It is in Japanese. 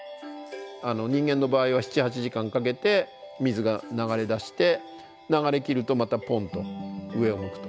人間の場合は７８時間かけて水が流れ出して流れきるとまたポンと上を向くと。